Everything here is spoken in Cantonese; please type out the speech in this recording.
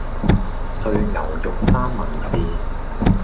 碎牛肉三文治